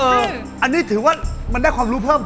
เฉียนว่าอันนี้ถือว่ามันได้ความรู้เพิ่ม